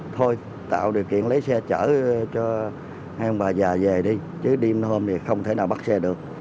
thôi tạo điều kiện lấy xe chở cho hai ông bà già về đi chứ đêm hôm thì không thể nào bắt xe được